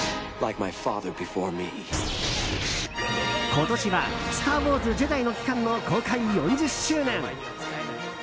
今年は「スター・ウォーズ／ジェダイの帰還」の公開４０周年。